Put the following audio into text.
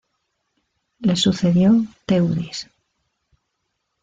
Le sucedió Teudis.